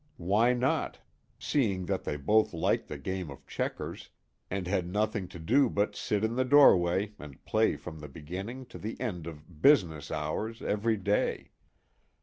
Why not, seeing that they both liked the game of checkers, and had nothing to do but sit in the doorway and play from the beginning to the end of "business hours" every day?